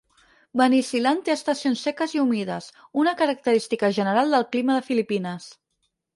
Banisilan té estacions seques i humides, una característica general del clima de Filipines.